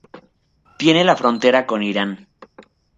Tiene la frontera con Iran.